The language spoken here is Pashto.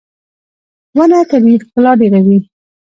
• ونه طبیعي ښکلا ډېروي.